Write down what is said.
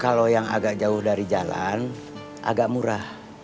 kalau yang agak jauh dari jalan agak murah